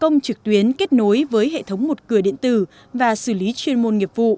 cổng dịch vụ công trực tuyến kết nối với hệ thống một cửa điện tử và xử lý chuyên môn nghiệp vụ